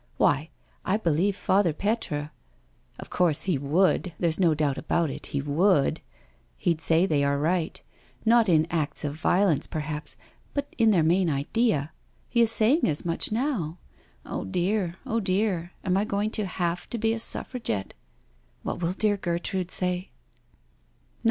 Why, I believe Father Petre .•. of course he would, there's no doubt about it, he would— he* d say they are right — not in acts of violence, perhaps, but in their main idea — ^he is saying as much now. .•. Oh dear, oh dear, am I going to have to be a Suffra gette I What will dear Gertrude say?"